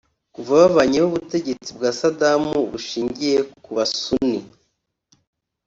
kuko bavanyeho ubutegetsi bwa Sadam bushingiye ku ba suni